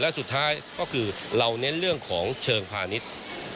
และสุดท้ายก็คือเราเน้นเรื่องของเชิงพาณิชย์